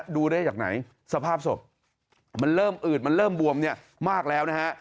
ดูได้จากไหนสภาพศพมันเริ่มอืดมันเริ่มบวมเนี่ยมากแล้วนะฮะ